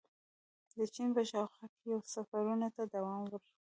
• د چین په شاوخوا کې یې سفرونو ته دوام ورکړ.